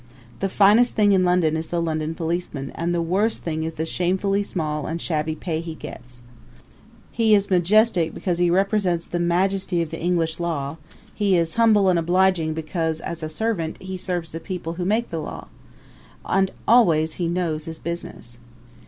The finest thing in London is the London policeman and the worst thing is the shamefully small and shabby pay he gets. He is majestic because he represents the majesty of the English law; he is humble and obliging because, as a servant, he serves the people who make the law. And always he knows his business.